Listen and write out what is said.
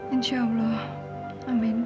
insya allah amin pak